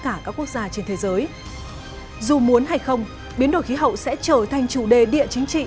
cả các quốc gia trên thế giới dù muốn hay không biến đổi khí hậu sẽ trở thành chủ đề địa chính trị